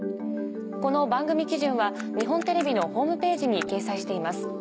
この番組基準は日本テレビのホームページに掲載しています。